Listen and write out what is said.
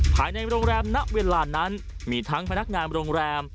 ภายในโรงแรมณเวลานั้นมีทั้งพนักงานโรงแรม